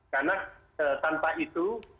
karena tanpa itu